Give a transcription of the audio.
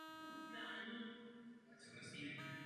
Japonsko je zemí s tradicemi v oblasti vědy a techniky.